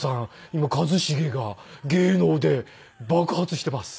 今一茂が芸能で爆発しています。